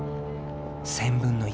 １０００分の１。